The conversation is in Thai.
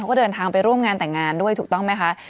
ก็เดินทางไปร่วมงานแต่งงานด้วยถูกต้องไหมคะ